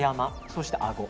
そして、あご。